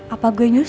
apa gue nyusul ya